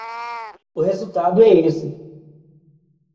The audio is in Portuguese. O resultado é esse.